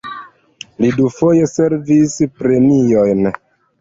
Li dufoje ricevis premiojn.